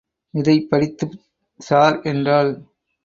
இதைப் படித்துப் சார்! என்றாள்.